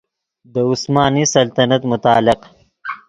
دے عثمانی سلطنت متعلق